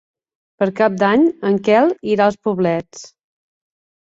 Per Cap d'Any en Quel irà als Poblets.